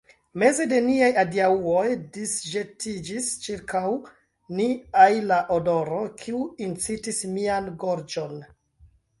Meze de niaj adiaŭoj, disĵetiĝis ĉirkaŭ ni ajla odoro, kiu incitis mian gorĝon.